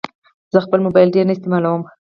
زه خپل موبایل ډېر نه استعمالوم.